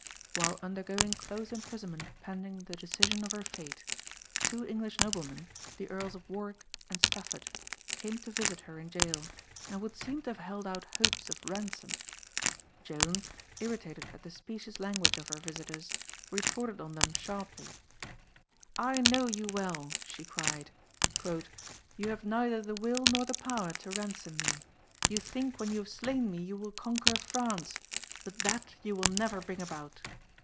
While undergoing close imprisonment pending the decision of her fate, two English noblemen, the Earls of Warwick and Stafford, came to visit her in gaol, and would seem to have held out hopes of ransom; Joan, irritated at the specious language of her visitors, retorted on them sharply: "I know you well," she cried, "you have neither the will nor the power to ransom me. You think when you have slain me, you will conquer France; but that you will never bring about.